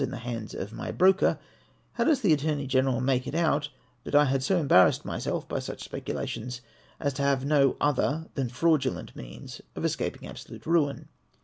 in the hands of my broker, how does the Attorney General make it out that I had so embarrassed myself by such speculations, as to have no other than fraudulent means of escap ing absolute ruin?